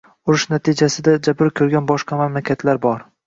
Urush natijasida jabr ko'rgan boshqa mamlakatlar bor